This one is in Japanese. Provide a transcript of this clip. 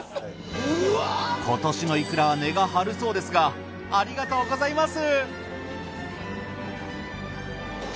今年のいくらは値が張るそうですがありがとうございます。